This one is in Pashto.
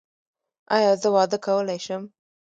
ایا زه واده کولی شم؟